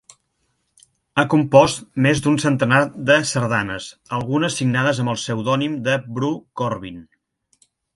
Ha compost més d'un centenar de sardanes, algunes signades amb el pseudònim de Bru Corbin.